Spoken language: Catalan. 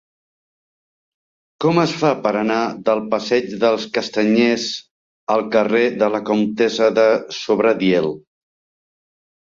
Com es fa per anar del passeig dels Castanyers al carrer de la Comtessa de Sobradiel?